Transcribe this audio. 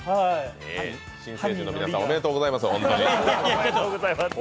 新成人の皆さん、おめでとうございます。